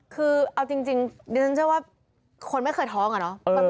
คือเอาจริงดิฉันเชื่อว่าคนไม่เคยท้องอะเนาะ